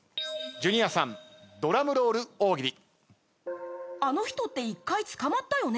ジュニアさんドラムロール大喜利。